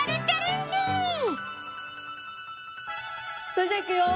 それじゃいくよ！